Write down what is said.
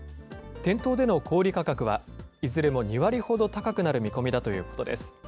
店頭での小売り価格は、いずれも２割ほど高くなる見込みだということです。